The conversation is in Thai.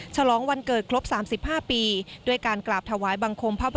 ชะลองวันเกิดครบ๓๕ปี